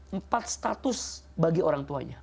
empat status bagi orang tuanya